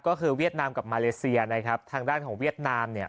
ก็คือเวียดนามกับมาเลเซียนะครับทางด้านของเวียดนามเนี่ย